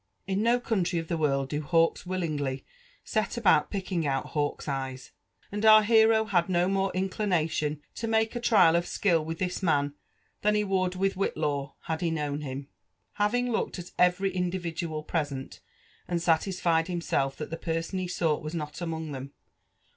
In no country of the world do hawks willingly set abottt ptek» tag out hawks' ^yes ; and our hero had no more inelination to make a trial of skill with this raan» than he Would with WbitlaW had he known him. Having looked at every individual present, and satisfied himself (hat the person he sought was not among them.